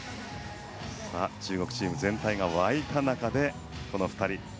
中国チーム全体が沸いた中でこの２人。